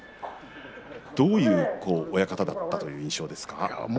どういう親方だったという印象ですか？